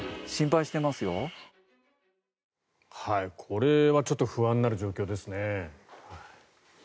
これはちょっと不安になる状況ですね。